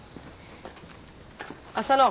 浅野。